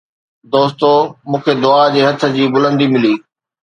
دوستو! مون کي دعا جي هٿ جي بلندي ملي